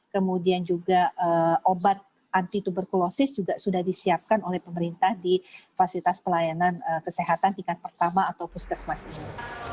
kemudian juga obat anti tuberkulosis juga sudah disiapkan oleh pemerintah di fasilitas pelayanan kesehatan tingkat pertama atau puskesmas ini